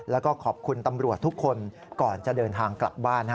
แล้วก็ขอบคุณตำรวจทุกคนก่อนจะเดินทางกลับบ้าน